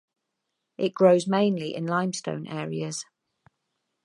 It grows mainly in limestone areas.